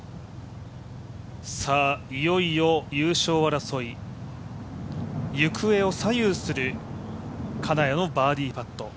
いよいよ優勝争い、行方を左右する金谷のバーディーパット。